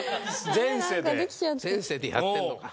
前世でやってるのか。